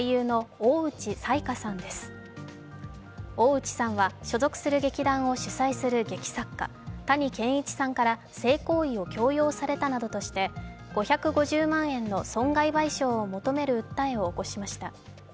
大内さんは所属する劇団を主宰する劇作家・谷賢一さんから性行為を強要されたなどとして５５０万円の損害賠償を求める訴えを起こしました。